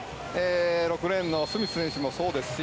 ６レーンのスミス選手もそうですし。